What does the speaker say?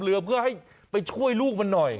เรือเพื่อให้ไปช่วยลูกมันหน่อย